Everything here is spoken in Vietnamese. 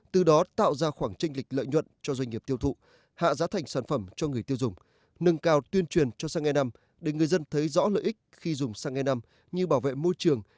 từ đó tạo ra khoảng tranh lịch lợi nhuận cho doanh nghiệp tiêu thụ hạ giá thành sản phẩm cho người tiêu dùng nâng cao tuyên truyền cho xăng e năm để người dân thấy rõ lợi ích khi dùng xăng e năm như bảo vệ môi trường